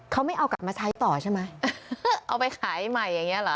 เขาไม่เอากลับมาใช้ต่อใช่ไหมเอาไปขายใหม่อย่างเงี้เหรอ